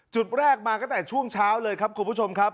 จุดแรกมาตั้งแต่ช่วงเช้าเลยครับคุณผู้ชมครับ